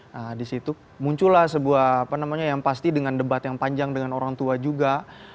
nah di situ muncullah sebuah yang pasti dengan debat yang panjang dengan orang tua juga